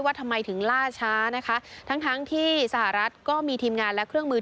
ทำไมถึงล่าช้านะคะทั้งทั้งที่สหรัฐก็มีทีมงานและเครื่องมือ